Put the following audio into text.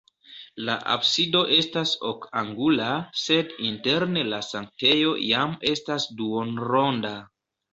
La absido estas ok-angula, sed interne la sanktejo jam estas duonronda.